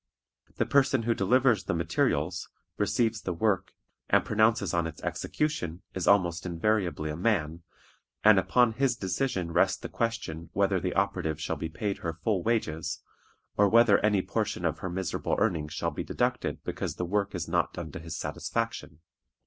The person who delivers the materials, receives the work, and pronounces on its execution, is almost invariably a man, and upon his decision rests the question whether the operative shall be paid her full wages, or whether any portion of her miserable earnings shall be deducted because the work is not done to his satisfaction.